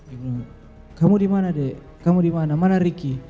ibu kamu dimana dek kamu dimana mana riki